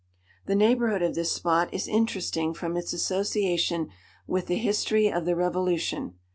The neighbourhood of this spot is interesting from its association with the history of the Revolution.